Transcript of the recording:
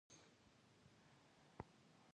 عدالت ټولنه ساتي.